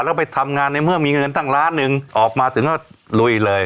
แล้วไปทำงานในเมื่อมีเงินตั้งล้านหนึ่งออกมาถึงก็ลุยเลย